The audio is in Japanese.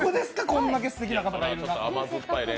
こんだけすてきな方いるのに。